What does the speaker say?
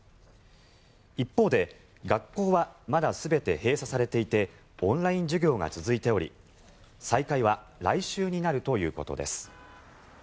一方で学校はまだ全て閉鎖されていてオンライン授業が続いており再開は来週になるということです。